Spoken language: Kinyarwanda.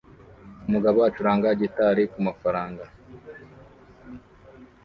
Umugabo acuranga gitari kumafaranga